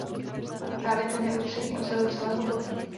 Právě ten je ústřední osadou celého bloku.